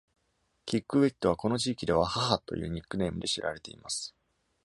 キックウィットはこの地域では「母」というニックネームで知られています。